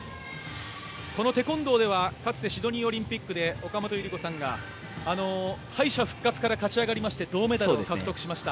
このテコンドーではかつてシドニーオリンピックで岡本依子さんが敗者復活から勝ち上がりまして銅メダルを獲得しました。